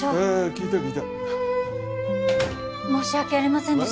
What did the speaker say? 聞いた聞いた申し訳ありませんでした